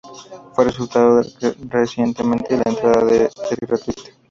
Fue restaurado recientemente y la entrada es gratuita.